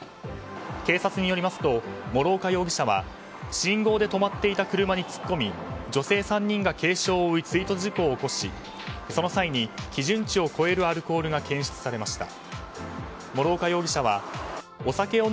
警察によりますと、諸岡容疑者は信号で止まっていた車に突っ込み女性３人が軽傷を負う追突事故を起こしその際に基準値を超えるアルコールが検出されました。